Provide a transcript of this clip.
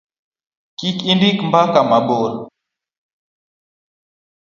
kik indik mbaka mabor